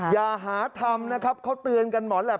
อย่าหาทำเขาเตือนกันหมอนแหละ